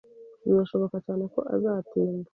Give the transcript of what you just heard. Birashoboka cyane ko azatinda.